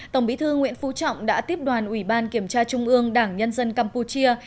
tổng bí thư nguyễn phú trọng đã tiếp đoàn ủy ban kiểm tra trung ương đảng nhân dân campuchia